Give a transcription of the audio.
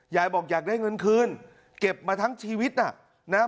ยายบอกอยากได้เงินคืนเก็บมาทั้งชีวิตนะครับ